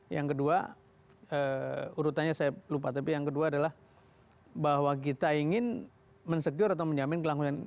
yang kedua urutannya saya lupa tapi yang kedua adalah bahwa kita ingin mensekure atau menjamin kelangsungan